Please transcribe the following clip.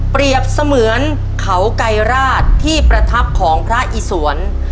เปรียบเสมือนเขาไกรราชที่ประทับของพระอิสวรรค์